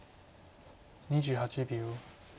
２８秒。